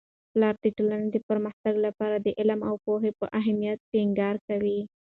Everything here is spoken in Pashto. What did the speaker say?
پلار د ټولنې د پرمختګ لپاره د علم او پوهې په اهمیت ټینګار کوي.